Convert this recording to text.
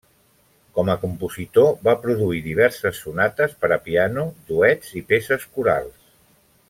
Com a compositor va produir diverses sonates per a piano, duets i peces corals.